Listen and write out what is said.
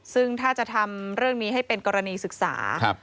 ซึ่งถ้าจะทำเรื่องนี้ให้เป็นกรณีศึกษา